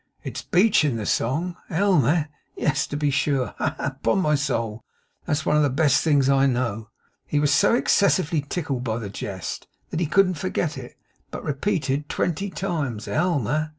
'It's beech in the song. Elm, eh? Yes, to be sure. Ha, ha, ha! Upon my soul, that's one of the best things I know?' He was so excessively tickled by the jest that he couldn't forget it, but repeated twenty times, 'Elm, eh?